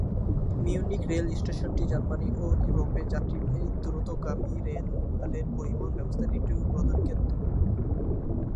Munich রেলস্টেশনটি জার্মানির ও ইউরোপের যাত্রীবাহী দ্রুতগামী রেল-পরিবহন ব্যবস্থার একটি প্রধান কেন্দ্র।